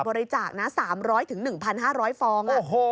บริจาคนะ๓๐๐๑๕๐๐ฟอง